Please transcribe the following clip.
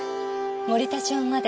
森田町まで。